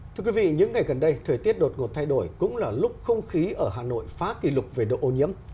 thưa quý vị những ngày gần đây thời tiết đột ngột thay đổi cũng là lúc không khí ở hà nội phá kỷ lục về độ ô nhiễm